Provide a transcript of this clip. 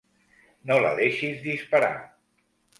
No la deixis disparar.